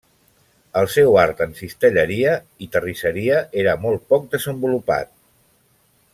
El seu art en cistelleria i terrisseria era molt poc desenvolupat.